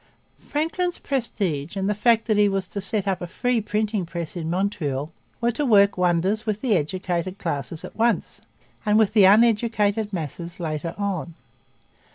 Franklin's prestige and the fact that he was to set up a 'free' printing press in Montreal were to work wonders with the educated classes at once and with the uneducated masses later on.